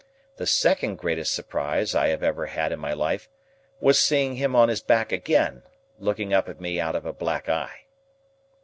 The second greatest surprise I have ever had in my life was seeing him on his back again, looking up at me out of a black eye.